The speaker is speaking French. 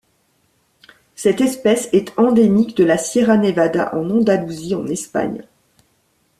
Cette espèce est endémique de la Sierra Nevada en Andalousie en Espagne.